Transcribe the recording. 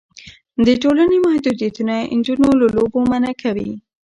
د ټولنې محدودیتونه نجونې له لوبو منع کوي.